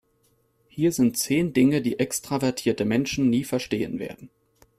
Hier sind zehn Dinge, die extravertierte Menschen nie verstehen werden.